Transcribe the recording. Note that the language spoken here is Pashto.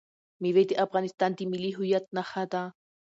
مېوې د افغانستان د ملي هویت نښه ده.